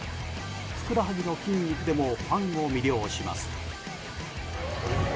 ふくらはぎの筋肉でもファンを魅了します。